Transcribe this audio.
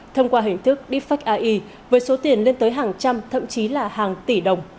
thông qua hình thức defect ai với số tiền lên tới hàng trăm thậm chí là hàng tỷ đồng